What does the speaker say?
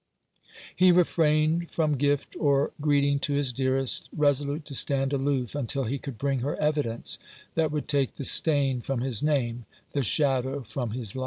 He refrained from gift or greet ing to his dearest, resolute to stand aloof until he could bring her evidence that would take the stain from his name, the shadow from his life.